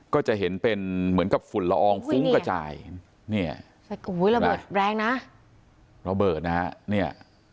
ก็จะเห็นเป็นเหมือนกับฝุ่นละอองฟุ้งกระจายเนี่ยระเบิดแรงนะระเบิดนะฮะเนี่ย